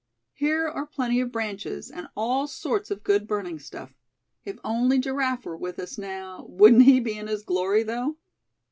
"Here are plenty of branches, and all sorts of good burning stuff. If only Giraffe were with us now, wouldn't he be in his glory, though?"